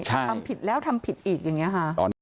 ทำผิดแล้วทำผิดอีกอย่างนี้ค่ะ